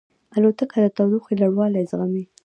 الوتکه د تودوخې لوړوالی زغمي.